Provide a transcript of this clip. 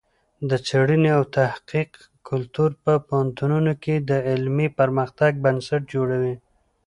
د څېړنې او تحقیق کلتور په پوهنتونونو کې د علمي پرمختګ بنسټ جوړوي.